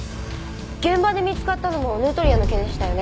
現場で見つかったのもヌートリアの毛でしたよね？